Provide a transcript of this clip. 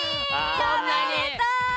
おめでとう！